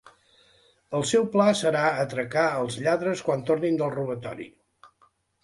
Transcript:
El seu pla serà atracar els lladres quan tornin del robatori.